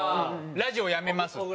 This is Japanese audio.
ラジオやめますって。